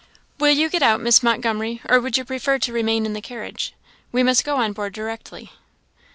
"Will you get out, Miss Montgomery, or would you prefer to remain in the carriage? We must go on board directly."